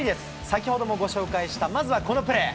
先ほどもご紹介した、まずはこのプレー。